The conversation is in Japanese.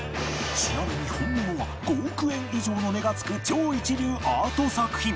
ちなみに本物は５億円以上の値が付く超一流アート作品